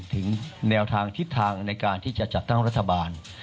ถึงแนวทางทิศทางในการที่จะจัดตั้งรัฐบาล